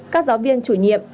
các giáo viên chủ nhiệm